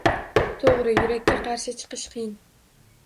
To`g`ri, yurakka qarshi chiqish qiyin